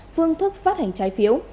phương thức phát hành trái phiếu